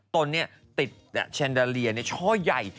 ตนติดแชนดาเลียในช่อใหญ่